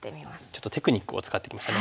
ちょっとテクニックを使ってきましたね。